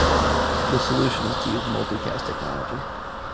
The solution is to use multicast technology.